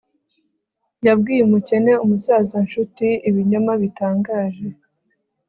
Yabwiye umukene umusaza nshuti ibinyoma bitangaje